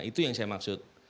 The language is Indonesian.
itu yang saya maksud